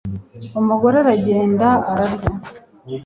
umugore aragenda, ararya